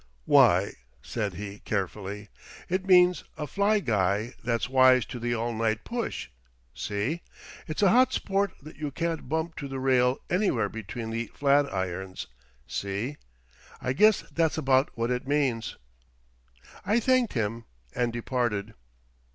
"Why," said he, carefully, "it means a fly guy that's wise to the all night push—see? It's a hot sport that you can't bump to the rail anywhere between the Flatirons—see? I guess that's about what it means." I thanked him and departed.